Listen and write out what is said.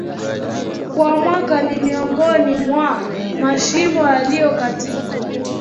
kwa mwaka Ni miongoni mwa mashimo yaliyo katika